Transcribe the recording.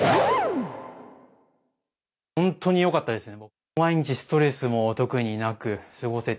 本当によかったですね。